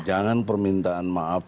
jangan permintaan maaf